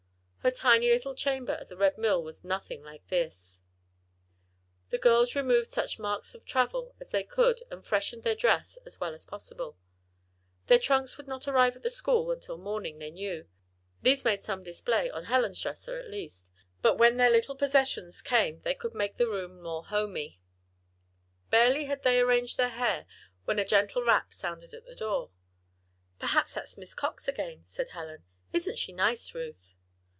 Her tiny little chamber at the Red Mill was nothing like this. The girls removed such marks of travel as they could and freshened their dress as well as possible. Their trunks would not arrive at the school until morning, they knew; but they had brought their toilet articles in their bags. These made some display on Helen's dresser, at least. But when their little possessions came they could make the room look more "homey." Barely had they arranged their hair when a gentle rap sounded at the door. "Perhaps that's Miss Cox again," said Helen. "Isn't she nice, Ruth?"